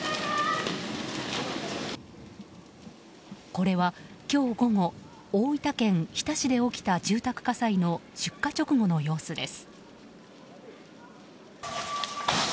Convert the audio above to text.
これは今日午後大分県日田市で起きた住宅火災の出火直後の様子です。